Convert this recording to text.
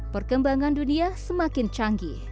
perkembangan dunia semakin canggih